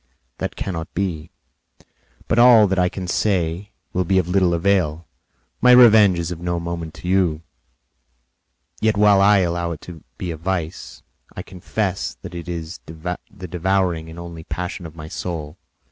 "That cannot be; but all that I can say will be of little avail. My revenge is of no moment to you; yet, while I allow it to be a vice, I confess that it is the devouring and only passion of my soul.